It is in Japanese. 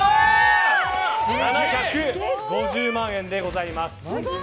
７５０万円でございます。